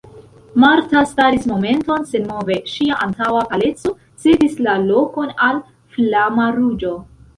Marta staris momenton senmove, ŝia antaŭa paleco cedis la lokon al flama ruĝo.